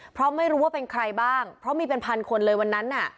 เพราะไม่รู้ว่าเป็นใครบ้างเพราะมีเป็นพันคนเลยวันนั้นน่ะ